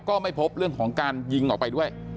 ก็ไม่พบเรื่องของการยิงออกไปด้วย